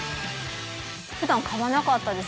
普段買わなかったです